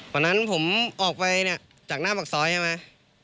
วันนั้นผมออกไปเนี่ยจากหน้าปากซอยใช่ไหม